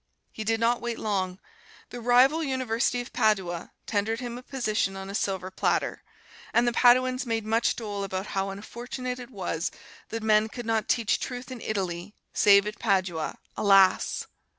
He did not wait long; the rival University of Padua tendered him a position on a silver platter; and the Paduans made much dole about how unfortunate it was that men could not teach Truth in Italy, save at Padua alas!